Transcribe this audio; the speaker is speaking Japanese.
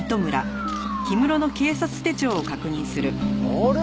あれ？